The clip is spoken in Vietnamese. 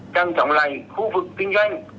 trăng trọng lành khu vực kinh doanh